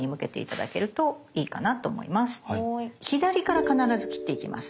左から必ず切っていきます。